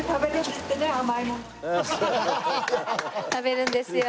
食べるんですよ。